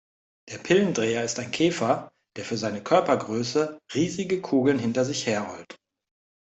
Der Pillendreher ist ein Käfer, der für seine Körpergröße riesige Kugeln hinter sich her rollt.